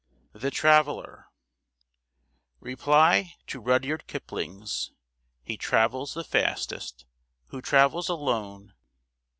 THE TRAVELLER Reply to Rudyard Kipling's "He travels the fastest who travels alone."